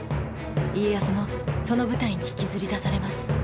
家康もその舞台に引きずり出されます。